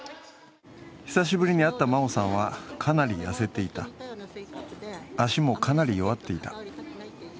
久しぶりに会った真生さんはかなり痩せていた足もかなり弱っていた。